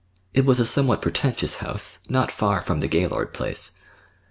It was a somewhat pretentious house, not far from the Gaylord place.